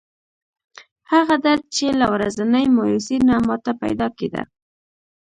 هغه درد چې له ورځنۍ مایوسۍ نه ماته پیدا کېده.